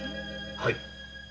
はい！